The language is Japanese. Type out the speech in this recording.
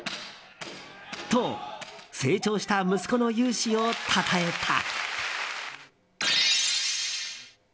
と、成長した息子の雄姿をたたえた。